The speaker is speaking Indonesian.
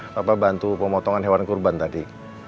bapak bantu pemotongan hewan kurban tadi